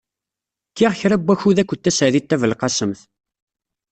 Kkiɣ kra n wakud akked Taseɛdit Tabelqasemt.